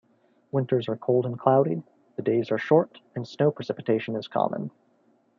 Winters are cold and cloudy; the days are short and snow precipitation is common.